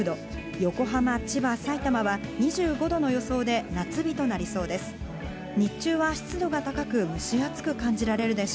横浜、千葉、埼玉は２５度の予想で夏日となりそうです。